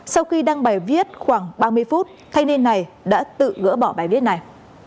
sau khi đăng bài viết khoảng ba mươi phút thanh niên này đã tự gỡ bỏ bài viết này